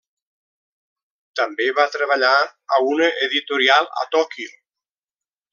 També va treballar a una editorial a Tòquio.